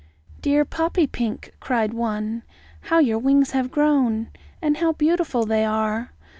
"Dear Poppypink," cried one, "how your wings have grown! And how beautiful they are!